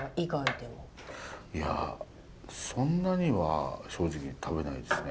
いやそんなには正直食べないですね。